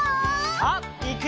さあいくよ！